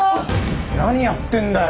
何やってんだよ？